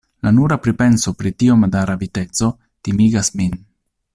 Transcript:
La nura pripenso pri tiom da raviteco timigas min.